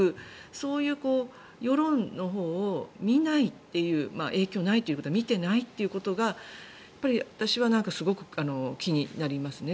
そういう世論のほうを見ないっていう影響がないということは見てないってことが私はすごく気になりますね。